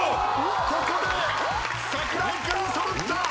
ここで櫻井君揃った！